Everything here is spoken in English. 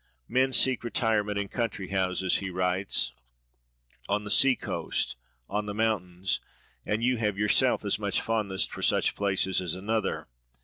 "Men seek retirement in country houses," he writes, "on the sea coast, on the mountains; and you have yourself as much fondness for such places as another.